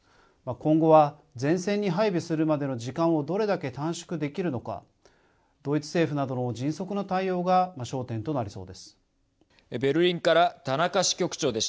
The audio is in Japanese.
今後は前線に配備するまでの時間をどれだけ短縮できるのかドイツ政府などの迅速な対応が焦点となりそうです。